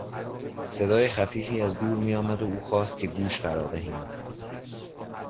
صدای خفیفی از دور میآمد و او خواست که گوش فرا دهیم.